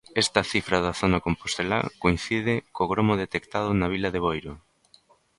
Esta cifra da zona compostelá coincide co gromo detectado na vila de Boiro.